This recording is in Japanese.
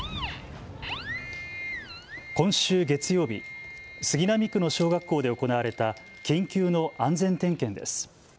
今週月曜日、杉並区の小学校で行われた緊急の安全点検です。